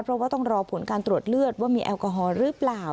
เพราะว่าต้องรอผลการตรวจเลือดว่ามีแอลกอฮอลหรือเปล่า